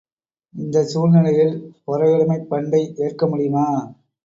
இந்தச் சூழ்நிலையில் பொறையுடைமைப் பண்டை ஏற்க முடியுமா?